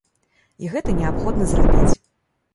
І гэта неабходна зрабіць.